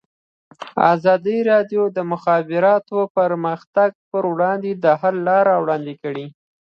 ازادي راډیو د د مخابراتو پرمختګ پر وړاندې د حل لارې وړاندې کړي.